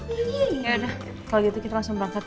yaudah kalo gitu kita langsung berangkat yuk